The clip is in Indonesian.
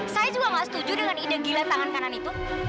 saya juga nggak setuju dengan ide gila tangan kanan itu